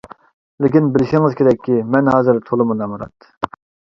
لېكىن بىلىشىڭىز كېرەككى، مەن ھازىر تولىمۇ نامرات.